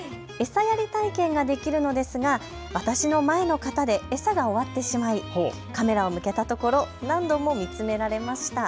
餌やり体験ができるのですが私の前の方で餌が終わってしまい、カメラを向けたところ何度も見つめられました。